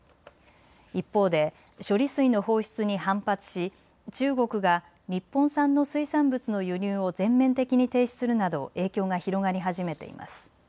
一方で処理水の放出に反発し中国が日本産の水産物の輸入を全面的に停止するなど影響が広がり始めています。